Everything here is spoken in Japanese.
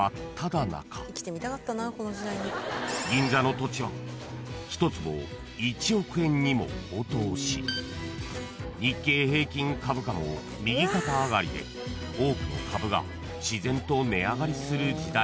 ［銀座の土地は１坪１億円にも高騰し日経平均株価も右肩上がりで多くの株が自然と値上がりする時代だったのだ］